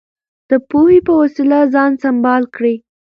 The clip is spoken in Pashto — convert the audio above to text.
د پوهې په وسله ځان سمبال کړئ.